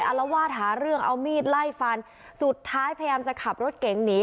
อารวาสหาเรื่องเอามีดไล่ฟันสุดท้ายพยายามจะขับรถเก๋งหนี